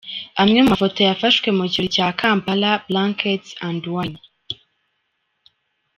Amwe mu mafoto yafashwe mu kirori cya Kampala Blankets and Wine.